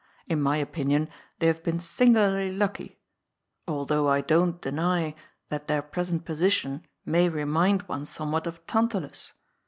In my opinion they have been singularly lucky, although I don't deny that their present position may re mind one somewhat of Tantalus.